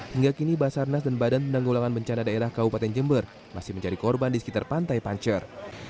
hingga kini basarnas dan badan penanggulangan bencana daerah kabupaten jember masih mencari korban di sekitar pantai pancer